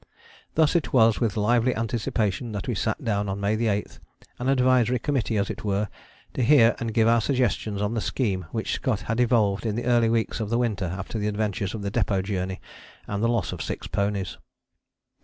Thus it was with lively anticipation that we sat down on May 8, an advisory committee as it were, to hear and give our suggestions on the scheme which Scott had evolved in the early weeks of the winter after the adventures of the Depôt Journey and the loss of six ponies.